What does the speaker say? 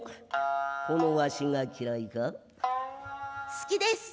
「好きです。